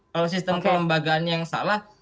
kalau sistem kelembagaannya yang salah